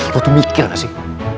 lo tuh mikir gak sih